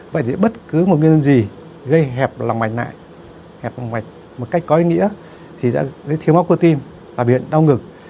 vậy thì bất cứ một nguyên nhân gì gây hẹp lòng mạch lại hẹp lòng mạch một cách có ý nghĩa thì sẽ thiếu máu cơ tim và biểu hiện đau ngực